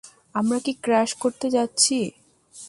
আমরা কি ক্র্যাশ করতে যাচ্ছি!